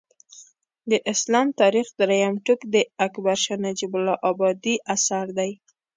د اسلام تاریخ درېیم ټوک د اکبر شاه نجیب ابادي اثر دی